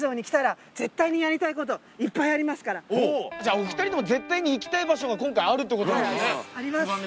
お２人とも絶対に行きたい場所が今回あるということなんですね